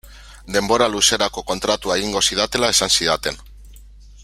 Denbora luzerako kontratua egingo zidatela esan zidaten.